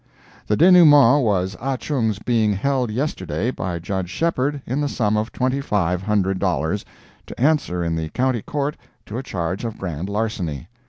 The denouement was Ah Chung's being held yesterday, by Judge Shepheard, in the sum of twenty five hundred dollars, to answer in the County Court to a charge of grand larceny.